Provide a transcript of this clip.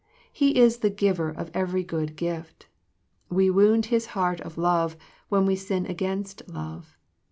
He is the Giver of every good gift. We wound His heart of love, when we sin against love.